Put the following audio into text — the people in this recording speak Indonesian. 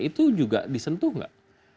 itu juga disentuh nggak